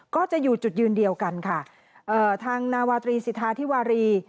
ก็จะอยู่จุดยืนเดียวกันค่ะเอ่อทางนาวาตรีสิทธาธิวารี